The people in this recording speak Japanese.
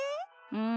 うん。